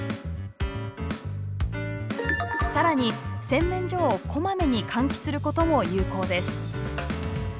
更に洗面所をこまめに換気することも有効です。